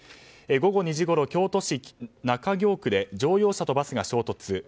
午後２時ごろ、京都市中京区で乗用車とバスが衝突。